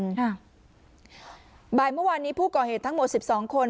ค่ะบ่ายเมื่อวานนี้ผู้ก่อเหตุทั้งหมดสิบสองคน